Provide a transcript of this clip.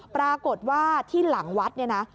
ปรากฏว่าที่หลังวัดเนี่ยนะ